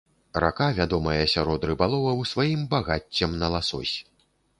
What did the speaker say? Рака вядомая сярод рыбаловаў сваім багаццем на ласось.